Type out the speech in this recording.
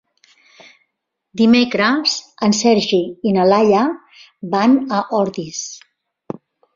Dimecres en Sergi i na Laia van a Ordis.